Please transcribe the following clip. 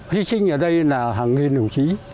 hy sinh ở đây là hàng nghìn đồng chí